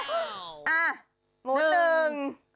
อ่ะหมูหนึ่ง